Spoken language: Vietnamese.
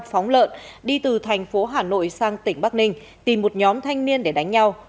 phóng lợn đi từ thành phố hà nội sang tỉnh bắc ninh tìm một nhóm thanh niên để đánh nhau